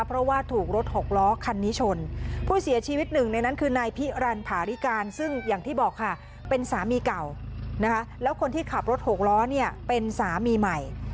เพราะว่าถูกรถหกล้อคันนี้ชนผู้เสียชีวิตหนึ่งในนั้นคือนายพิรันผาริการซึ่งอย่างที่บอกค่ะเป็นสามีเก่านะคะแล้วคนที่ขับรถหกล้อเนี่ยเป็นสามีใหม่